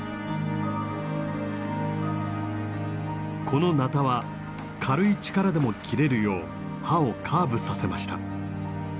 このなたは軽い力でも切れるよう刃をカーブさせました。